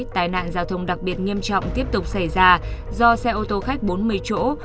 tai nạn giao thông đặc biệt nghiêm trọng tiếp tục xảy ra do xe ô tô khách bốn mươi chỗ